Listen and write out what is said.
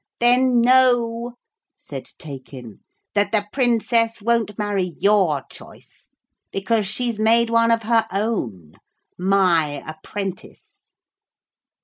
'Then know,' said Taykin, 'that the Princess won't marry your choice, because she's made one of her own my apprentice.'